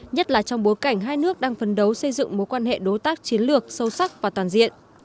nhất là trong bối cảnh hai nước đang phấn đấu xây dựng mối quan hệ đối tác chiến lược sâu sắc và toàn diện